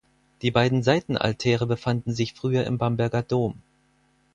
Die beiden Seitenaltäre befanden sich früher im Bamberger Dom.